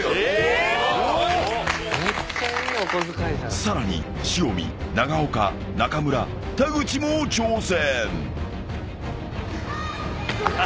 ［さらに塩見長岡中村田口も挑戦］